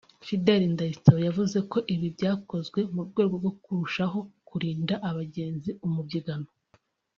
Fidele Ndayisaba yavuze ko ibi byakozwe mu rwego rwo kurushaho kurinda abagenzi umubyigano